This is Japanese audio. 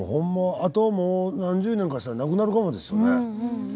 あと何十年かしたらなくなるかもですよね。